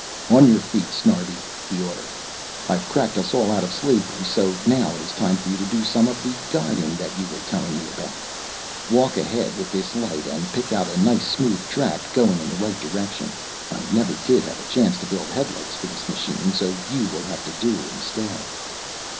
"On your feet, Snarbi," he ordered. "I've cracked us all out of slavery so now it is time for you to do some of the guiding that you were telling me about. Walk ahead with this light and pick out a nice smooth track going in the right direction. I never did have a chance to build headlights for this machine so you will have to do instead."